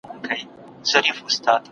څېړنه د یو چا شخصي ملکیت نه دی.